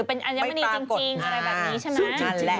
เป็นหินที่ไม่ปรากฏหรือเป็นอัญมณีจริงอะไรแบบนี้ใช่ไหม